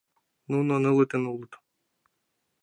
Нуно нылытын улыт.